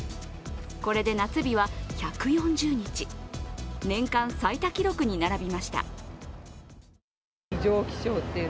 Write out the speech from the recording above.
これで夏日は１４０日、年間最多記録に並びました。